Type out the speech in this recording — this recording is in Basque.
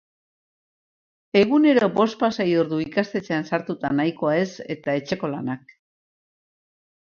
Egunero bospasei ordu ikastetxean sartuta nahikoa ez eta etxeko lanak.